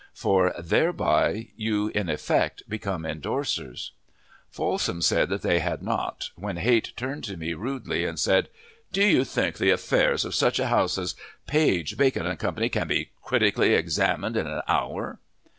for, "thereby you in effect become indorsers." Folsom said they had not, when Height turned on me rudely and said, "Do you think the affairs of such a house as Page, Bacon & Co. can be critically examined in an hour?"